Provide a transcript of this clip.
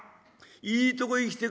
いいとこへ来てくれたね。